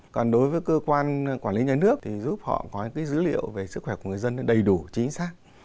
còn đối với cơ quan quản lý nhà nước thì giúp họ có những dữ liệu về sức khỏe của người dân đầy đủ chính xác